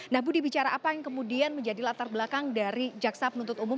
nah budi bicara apa yang kemudian menjadi latar belakang dari jaksa penuntut umum